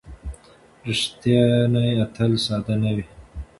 ریښتیا تل ساده نه وي.